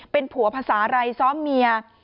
เป็นผัวภาษาอะไรซ้อมเมีย